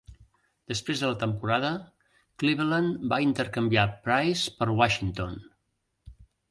Després de la temporada, Cleveland va intercanviar Price per Washington.